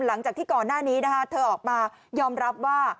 หลังจากที่ก่อนหน้านี้นะคะเธอออกมายอมรับว่า